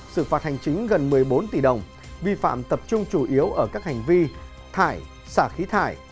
xử phạt hành chính gần một mươi bốn tỷ đồng vi phạm tập trung chủ yếu ở các hành vi thải xả khí thải